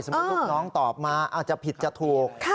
สมมติลูกน้องตอบอาจจะผิดถูก